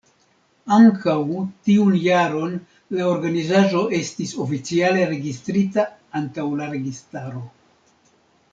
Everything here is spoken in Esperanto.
Ankaŭ tiun jaron la organizaĵo estis oficiale registrita antaŭ la registaro.